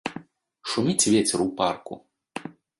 Шуміць вецер у парку.